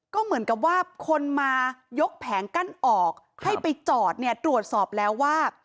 ก็เหมือนกับว่าคนมายกแผงกั้นออกให้ไปจอดเนี่ยตรวจสอบแล้วว่า